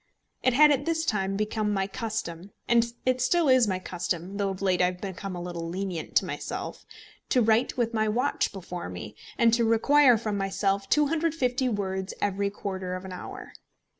It had at this time become my custom, and it still is my custom, though of late I have become a little lenient to myself, to write with my watch before me, and to require from myself 250 words every quarter of an hour.